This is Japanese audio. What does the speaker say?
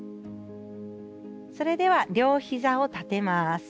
それでは両ヒザを立てます。